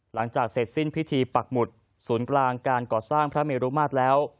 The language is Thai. หลังจากเสร็จสิ้นพิธีปักหมุดศูนย์กลางการก่อสร้างพระเมรุมาตรแล้ว